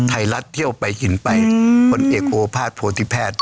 ไทรัศน์เที่ยวไปกินไปคนเอกโอภาษณ์ผัวทิแพทย์